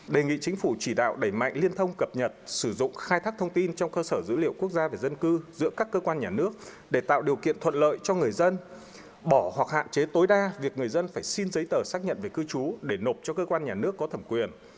đề nghị chính phủ chỉ đạo đẩy mạnh liên thông cập nhật sử dụng khai thác thông tin trong cơ sở dữ liệu quốc gia về dân cư giữa các cơ quan nhà nước để tạo điều kiện thuận lợi cho người dân bỏ hoặc hạn chế tối đa việc người dân phải xin giấy tờ xác nhận về cư trú để nộp cho cơ quan nhà nước có thẩm quyền